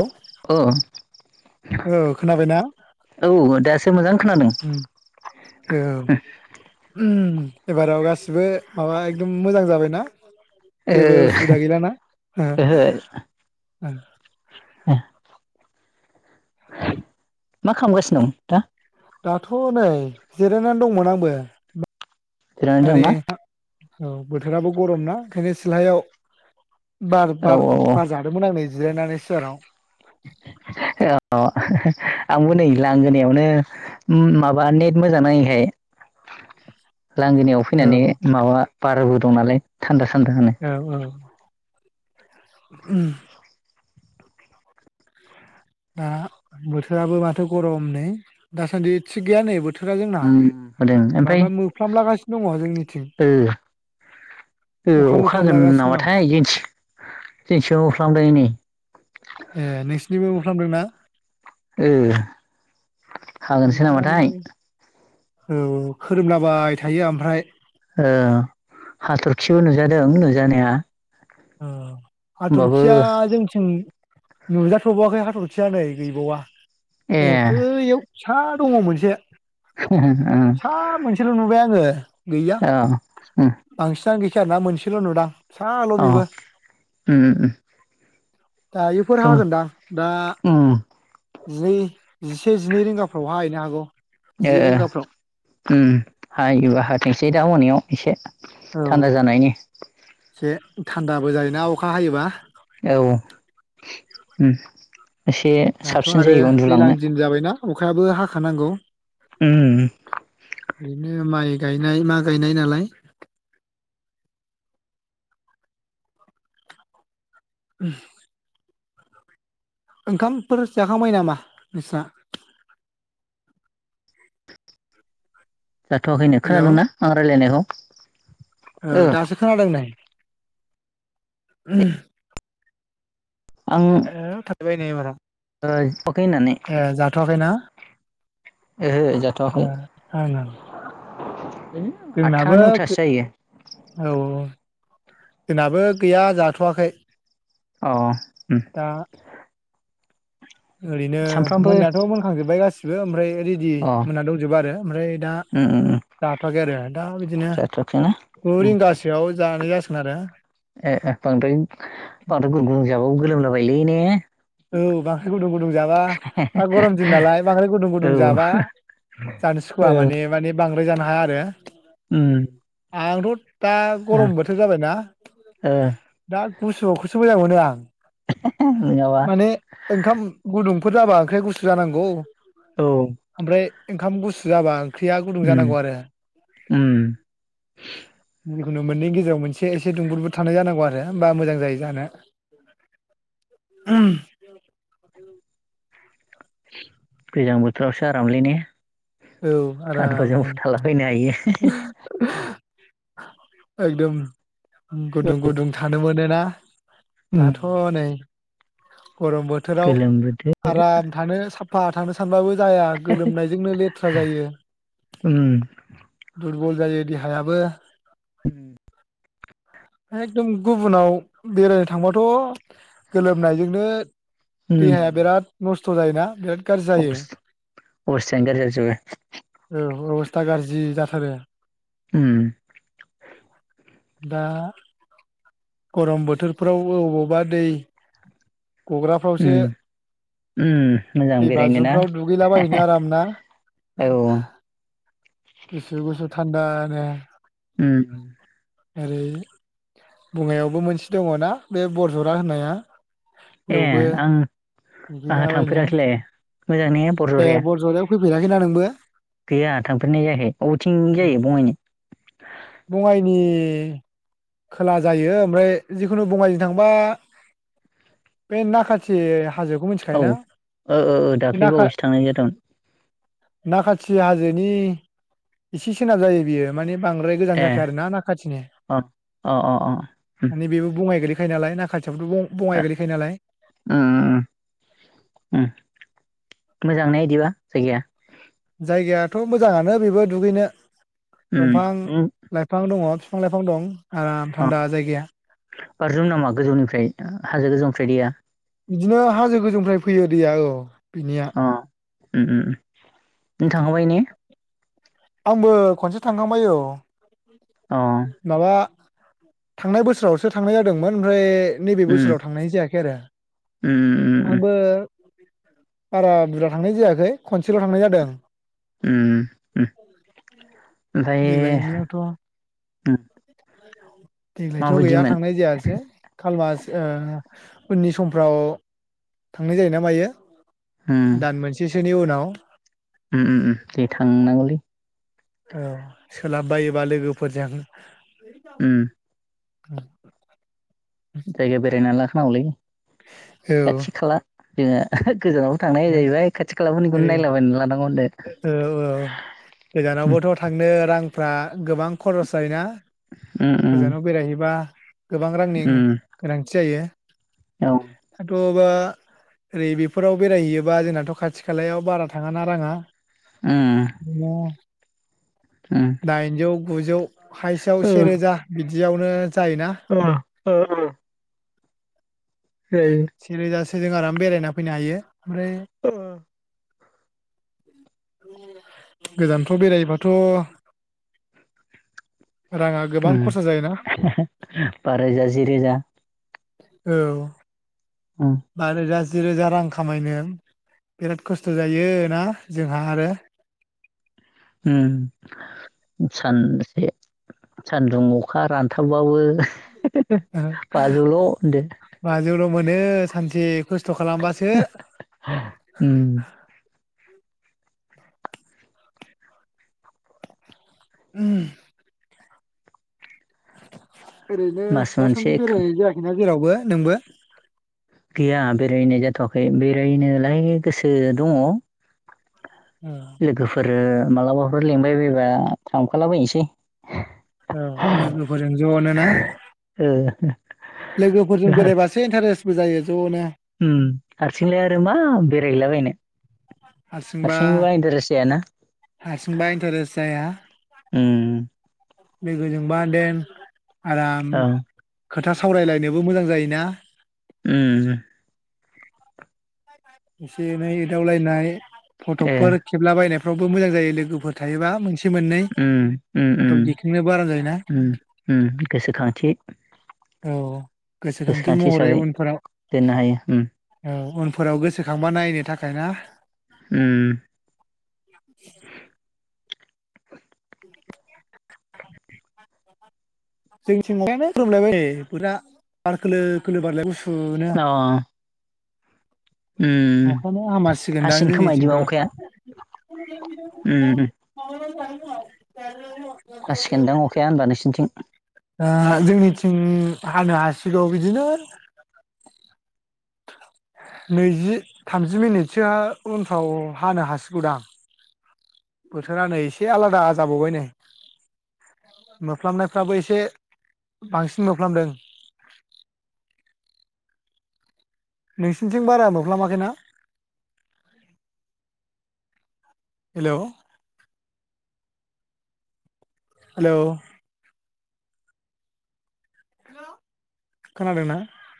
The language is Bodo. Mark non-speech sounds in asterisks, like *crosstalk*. औ अ खोनाबायना औ दासो मोजां खोनादों उम । ओम एबाराव गासिबो माबा एकदम मोजां जाबायना *inaudible* ओ जेबो उसुबिदा ओहो औ ए मा खालामगासिनो नोंथां? दाथ' नै जिरायनानै दंमोन आंबो । जिरायना दं ना? औ बोथोराबो गरम ना ओंखायनो सिलायाव बार औ बार बार जादोंमोन आं *unintelligible* जिरायनानै सिआराव औ आंबो नै लांगोनायावनो ओम माबा नेट मोजां नाङैखाय लांगोनायाव औ फैनानै माबा बारबो दं नालाय थान्दा थान्दा नो औ औ उम दा बोथोराबो माथो गरम नै दासान्दि थिग गैया नै बोथोर उम होदों ओमफाय मोफ्लामलागासिनो दङ जोंनिथिं ओ ओ अखा हागोन मोफ्लामलागासिनो दं नामाथाय जोंनिथिं जोंनिथिंबो होफ्लामदों हनै ए नोंसिनिबो फ्लामदों ना? ओ हागोनसो बोथोरानो नामाथाय औ खोरोमलाबाय थायो आमफ्राय ओ हाथरखिबो नुजादों नुजानाया औ होमबाबो हाथरखिया जोंनिथिं नुजाथ'बावाखै हाथरखिया नै गैबावा ए बैयाव फिसा दङ मोनसे हा हा उम ओ औ आंस *unintelligible* गैखाया आरो ना मोनसेल' नुदां फिसाल' अ बेबो उम उम उम दायोफोर हागोनदां दा उम जिनै जिसे जिनै रिंगाफ्राव हाहायनो हागौ ओ जि रिंगाफ्राव उम हायोबा हाथों एसे दा मोनायाव एसे औ थान्दा जानायनि एसे थान्दाबो जायोना अखा हायोबा औ एसे दाथ' साबसिन आरो जायो दैज्लां उन्दुलांनो दिन जाबायना अखायाबो हाखानांगौ। उम बिरनो माइ गायनाय मा गायनाय नालाय *unintelligible* ओंखामफोर जाखांबाय नामा नोंस्रा? जाथ'वाखैनो हेल' खोनादोंना आं रायलायनायखौ? ओ दासो खोनादों नोय। उम आं *unintelligible* एबाराव ओइ ए जाथ'वाखैना ओहो जाथ' ए आखै ओं ओं *inaudible* जोंनाबो गैया जाथ'वाखै अ उम दा ओरैनो सानफ्रामबो मोननायाथ' मोनखांजोब्बाय गासि रो ओमफ्राय रेडि अ मोनना दंजोबो आरो ओमफ्राय दा उम उम उम जाथ'वाखै आरो दा बिदिनो जाथ'वाखैना गु उम रिंगासोआव जानाय जासिगोन आरो ए बाव गोलोमला बायलै ने औ बाहाय गुदुं गु दुं जाबा दा गरम दिन नालाय बांद्राय गुदुं औ गुदुं जाबा ओ जानो सखुवा माने माने बां बो जानो हाया आरो उम आंथ' दा ओ गरम बोथोर जाबायना ओ दा गुसुआव सो मोजां मोनो आं नङाबा माने ओंखाम गुदुं फोर जाबा ओंख्रि आ गुसु जानांगौ औ आमफ्राय ओंखाम गुसु जाबा ओं उम उम खुनु मोननैनि गेजेराव मोनसे एसे दुंबुरबो थानाय जानांगौ आरो होमबा मोजां जायो जानो । ओम गोजां बोथोरावसो आरामलै ने औ खानथ्राजों आरामनो बुथाला बायनो हायो *unintelligible* एकदम गुदुं गुदुं थानो मोनो ना उम दाथ' नै गरम बोथोराव गोलोम बोथोर आराम थानो सा फा थांनो सानबाबो जाया गोलोमनायजोंनो लेथ्रा जायो उम दुरबल जायो देहायाबो। उम एकदम गुबुनाव बेरायनो थांबाथ' गोलोमनायजोंनो देहाया बेराद नस थ' जायो ना बिराद गारजि जायो अबस अबस्थायानो गाज्रि जाजोबो औ अबसथा गारजि जा रो उम दा गरम बोथोरफ्राव औबावबा दै गग्राफ्रावसो उम उम मोजां दै बेरायनो ना बाजुमफ्राव दुगैलाबायहैनो आराम ना औ गुसु थानदा नो। उम ओरै बङाइयावबो मोनसे दङना बे बरजरा होननाया। ए बेयावबो आं आंहा दुगैलाबायनो थांफेराखैलाय मोजांने ए बरजराया। बरजरायाव फैफेराखैना नोंबो? गैया थांफेरनाय जायाखै बबेथिं जायो बङाइनि? बङाइनि खोला जायो ओमफ्राय जिखुनु बङाइजों थांबा बे नाखाथि हाजोखौ औ मिथिखायोना ओ ओ बे ओदाख्लै नाखा बावैसो थांनाय जादोंमोन। नाखाथि हाजोनि इसे सोनाब जायो बियो माने बां गोजान ए जाखाया आरोना ना खाथिनि अ अ अ उम माने बेबो बङाइ गोलै खायो नालाय नाखा थि'याबोथ' बं बङाइ ओ गोलैखायो नालाय। उम उम मोजां ने इदिबा जायगाया? जायगायाथ' मोजाङानो बेबो दुगैनो। उम दमफां उम लाइफां दङ फिफां लाइफां दं। आराम थानदा जायगाया बारज्रुमो नामा गोजौनिफ्राय हाजो गोजौनिफ्राय दैैया? बिदिनो हाजो गोजौनिफ्राय फैयो दैया औ बिनिया। उम उम उम नों थांखांबाय ने? आंबो खनसे थांखांबाय औ। अ माबा थांनाय बोसोरावसो थांनाय जादोंमोन ओमफ्राय नैबे उम बोसोराव जाया खै‌ आरो उम उम ओ आंबो बारा बुरजा थांनाय जायाखै खनसेल' थांनाय जादों। उम ओ औ ओं देग्लाय नियावथ' उम *inaudible* देग्लायथ' गैया माबायदिमोन थांनाय जायासै खाल मास ओ उननि समफ्राव थांनाय जायोना मायो। दान मोननै सो सोनि उनाव ओ ओ जों थांनागौ लै औ सोलाब बायोबा लोगोफोरजों उम औ जायगा बेरायनो लां हावलै औ खाथि खाला जोङो होद गोजानावथो थांनाय जाहैबाय खाथि ओरै खालाफोरनिखौनो नायला बायनानै लानांगौ आरो। औ औ गोजानावबोथ' थांनो रांफ्रा ओ गोबां खरस जायोना उम गोजानाव बेरायहैबा गोबां रांनि उम गोनांथि जायो। उम औ दाथ' बा ओरै बेफोराव बेरायहैयोबा जोंनाथ' खाथि खालायाव बारा थाङा ना राङा उम ना दाइनजौ गुजौ हाइसेआव सेरोजा बिदि बेयावनो अ अ अ *unintelligible* सेरोजासो जों आराम बेरायना फैनो हायो। ओमफ्राय ओ *inaudible* गोजानफ्राव बेरायोबाथ' उम *unintelligible* बा रोजा जि रोजा। औ उम बा रोजा जि रोजा रां खामायनो बिराद खस्थ' जायो। ना? जोंहा हारो उम सानसे सानदुं अखा रानथाब बाबो *unintelligible* ओ बाजौल' होनदो बाजौल' मोनो सानसे खस्थ' खालामबासो उम उम ओरैनो मास मोनसे दासान्दि बेरायनाय जायाखैना जेरावबो नोंबो गैया बेरायनाय जाथ'वाखै बेरायनोलाय गोसो दङ औ लोगोफोर ओ मालाबाफोर लिंबाय बायबा थांफालाबानसै। औ लोगोफोरजों जनोना। ओ लोगोफोरजों बेरायबासो इन्टारेस्टबो जायो। ज'नो उम हारसिंलाय आरो मा बेरायहैलाबायनो हारसिंबा इन्टारेस्ट जायाना। हारसिंबा इन्टारेस्ट जाया उम लोगोजोंबा देन आराम औ खोथा सावरायलायनोबो मोजां जायो। ना? उम एसे एनै एदावलायनाय, ए फटकफोर खेबलाबायनाय फ्रावबो मोजां जायो लोगोफोर थायोबा मोनस उम उम आराम जायोना उम उम उम गोसोखांथि। औ गोसोखांथि महरै हिसाबै उनफोराव दोननो हायो उम। औ उनफोराव गोसोखांबा नायनो थाखाय। ना? उम जोंनि थिं अखायानो खोरोमलायबाय नै *unintelligible* बार खोलो खोलो बारलायबाय गुसुनो ओम अखायानो हामासिगोनदां हासिगोन खोमा जोंनिथिंथ' इदिबा दा अखाया उम उम *unintelligible* *unintelligible* हासिगोनदां अखाया होनबा नोंसिनिथिं ओ जोंनिथिं हानो हासिगौ बिदिनो नैजि थामजि मिनिटसोआ उनफ्राव हानो हासिगौदां बोथोरा नै एसे आलादा जाबावबाय नै मोफ्लामनायफ्राबो एसे बांसिन मोफ्लामदों नोंसिनिथिं बारा मोनफ्लामाखै ना हेलौ हेलौ खोनादोंना?